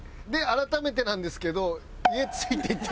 「改めてなんですけど」。